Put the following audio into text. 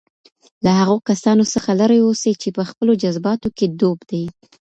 له هغو کسانو څخه لرې اوسئ چي په خپلو جذباتو کي ډوب دي.